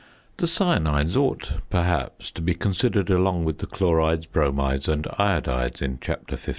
The cyanides ought perhaps to be considered along with chlorides, bromides and iodides in Chapter XV.